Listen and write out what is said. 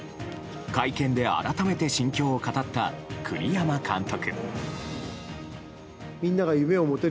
会見で改めて心境を語った栗山監督。